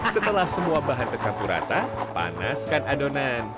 setelah semua bahan tercampur rata panaskan adonan